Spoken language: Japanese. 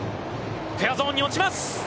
フェアゾーンに落ちます。